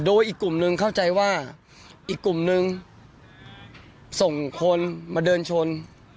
โดยอีกกลุ่มนึงเข้าใจว่าอีกกลุ่มนึงส่งคนมาเดินชน